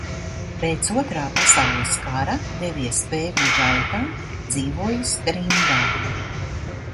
Pēc Otrā pasaules kara devies bēgļu gaitā, dzīvojis trimdā.